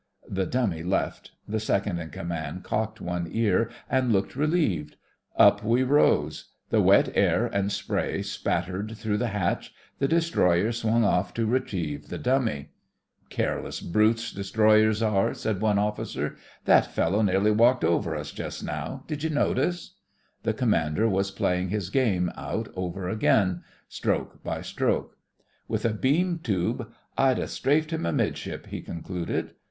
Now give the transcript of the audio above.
The dummy left; the second in command cocked one ear and looked relieved. Up we rose; the wet air and spray spattered through the hatch; the destroyer swung off to retrieve the dummy. "Careless brutes destroyers are," said one officer. "That fellow nearly THE FRINGES OF THE FLEET 69 walked over us just now. Did you notice?" The commander was playing his game out over again — stroke by stroke. "With a beam tube I'd ha' strafed him amidship," he concluded.